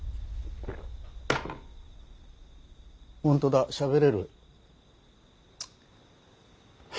本当だしゃべれる。